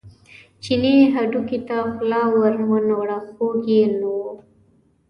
چیني هډوکي ته خوله ور نه وړه خوږ یې نه و.